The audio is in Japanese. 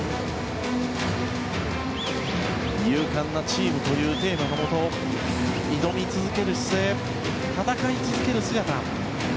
勇敢なチームというテーマのもと挑み続ける姿勢戦い続ける姿。